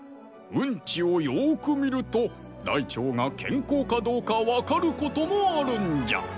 うんちをよく見ると大腸がけんこうかどうかわかることもあるんじゃ。